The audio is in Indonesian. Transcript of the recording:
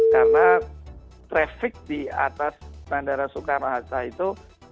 karena traffic di atas standara sukarno hatta itu